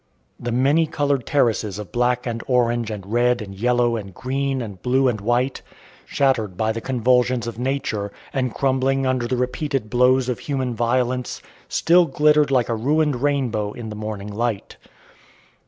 The many coloured terraces of black and orange and red and yellow and green and blue and white, shattered by the convulsions of nature, and crumbling under the repeated blows of human violence, still glittered like a ruined rainbow in the morning light.